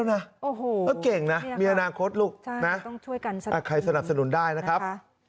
แปดครัวเป็นติวเตอร์แล้วนะเก่งนะเมียนางโค้ดลูกนะใครสนับสนุนได้นะครับ